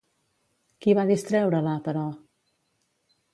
Qui va distreure-la, però?